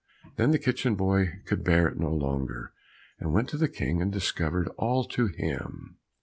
Then the kitchen boy could bear it no longer, and went to the King and discovered all to him.